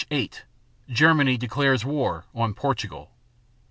8 Germany declares war on Portugal.